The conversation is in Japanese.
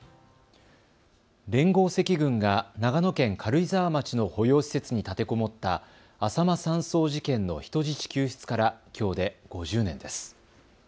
連合赤軍が長野県軽井沢町の保養施設に立てこもったあさま山荘事件の人質救出からきょうで５０年です。